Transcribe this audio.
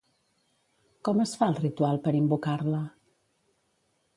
Com es fa el ritual per invocar-la?